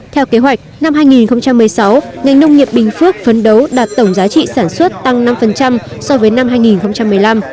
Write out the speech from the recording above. theo kế hoạch năm hai nghìn một mươi sáu ngành nông nghiệp bình phước phấn đấu đạt tổng giá trị sản xuất tăng năm so với năm hai nghìn một mươi năm